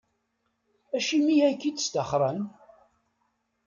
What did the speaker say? Acimi ay k-id-sṭaxren?